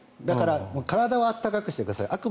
だから、体は暖かくしてください